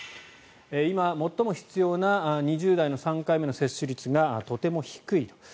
今、最も必要な２０代の３回目の接種率がとても低いと。